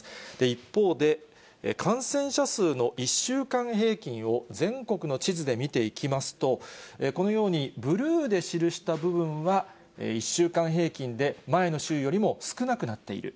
一方で、感染者数の１週間平均を、全国の地図で見ていきますと、このようにブルーで記した部分は１週間平均で前の週よりも少なくなっている。